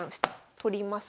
取ります。